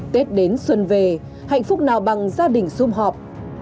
tết đến xuân về hạnh phúc nào bằng gia đình xung họp